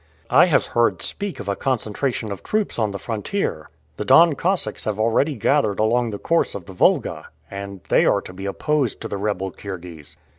"I have heard speak of a concentration of troops on the frontier. The Don Cossacks have already gathered along the course of the Volga, and they are to be opposed to the rebel Kirghiz."